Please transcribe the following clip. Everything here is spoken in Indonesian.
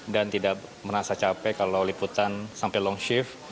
tidak merasa capek kalau liputan sampai long shift